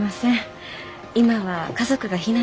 今は家族が避難していて。